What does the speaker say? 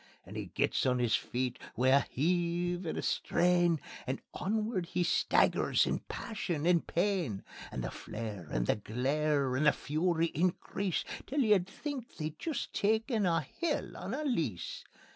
And he gets on his feet wi' a heave and a strain, And onward he staggers in passion and pain. And the flare and the glare and the fury increase, Till you'd think they'd jist taken a' hell on a lease.